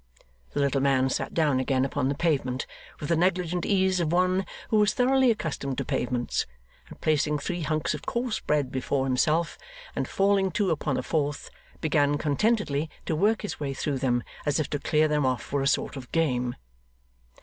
The little man sat down again upon the pavement with the negligent ease of one who was thoroughly accustomed to pavements; and placing three hunks of coarse bread before himself, and falling to upon a fourth, began contentedly to work his way through them as if to clear them off were a sort of game.